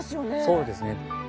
そうですね。